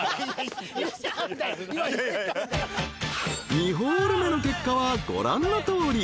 ［２ホール目の結果はご覧のとおり］